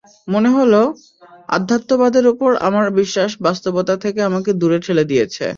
মনে হলো, অধ্যাত্মবাদের ওপর আমার বিশ্বাস বাস্তবতা থেকে আমাকে দূরে ঠেলে দিয়েছে।